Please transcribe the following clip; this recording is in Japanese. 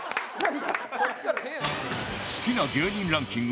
好きな芸人ランキング